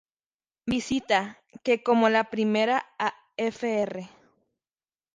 Visita, que como la primera a Fr.